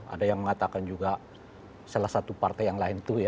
ada yang mengatakan juga salah satu partai yang lain itu ya